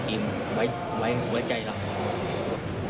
ที่มันลงมันไม่แค่นี้